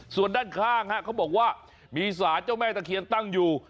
ส่วนด้านข้างเขาบอกว่ามีสารเจ้าแม่ตะเคียนตั้งอยู่